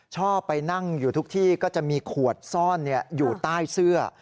ชอบไปนั่งอยู่ทุกที่ก็จะมีขวดซ่อนอยู่ใต้เสื้อ